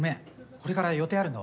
これから予定あるんだわ。